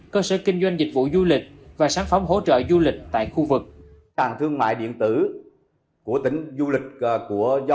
cơ sở kinh doanh dịch vụ du lịch và sản phẩm hỗ trợ du lịch tại khu vực